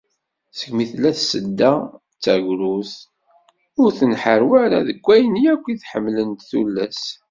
Segmi tella Tsedda d tagrudt, ur tenḥarwi ara deg wayen yakk i ḥemmlent tullas.